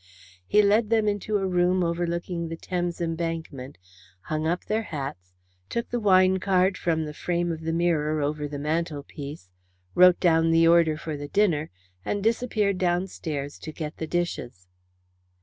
He led them into a room overlooking the Thames Embankment, hung up their hats, took the wine card from the frame of the mirror over the mantelpiece, wrote down the order for the dinner, and disappeared downstairs to get the dishes.